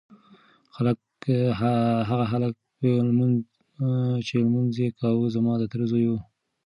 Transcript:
هغه هلک چې لمونځ یې کاوه زما د تره زوی و.